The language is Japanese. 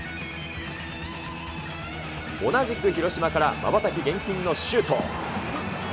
同じく広島から、まばたき厳禁のシュート。